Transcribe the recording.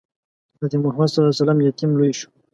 حضرت محمد ﷺ یتیم لوی شو.